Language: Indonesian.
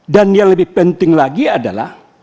dan yang lebih penting lagi adalah